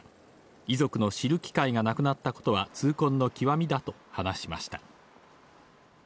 遺族の知る機会がなくなったことは痛恨の極みだと話しました。